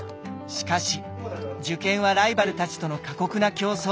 しかし受験はライバルたちとの過酷な競争。